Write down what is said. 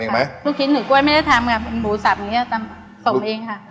พวกนี้ทำเองไหมลูกชิ้นหรือกล้วยไม่ได้ทำกับหมูสับอย่างเงี้ยทำส่งเองค่ะ